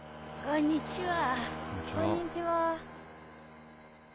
こんにちは。